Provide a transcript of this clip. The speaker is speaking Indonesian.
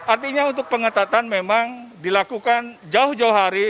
artinya untuk pengetatan memang dilakukan jauh jauh hari